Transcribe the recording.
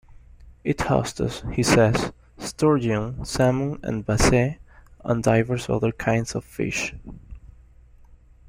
It hosts, he says, Sturgeon, Sammon and Basse, and divers other kinds of fish.